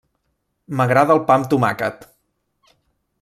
M'agrada el pa amb tomàquet.